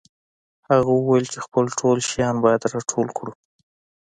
هغه وویل چې خپل ټول شیان باید راټول کړو